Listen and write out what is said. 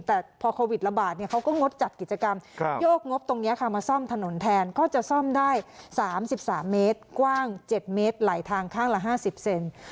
แต่พอโควิดระบาดเขาก็งดจัดกิจกรรมโยกงบตรงนี้ค่ะมาซ่อมถนนแทนก็จะซ่อมได้๓๓เมตรกว้าง๗เมตรไหลทางข้างละ๕๐เซน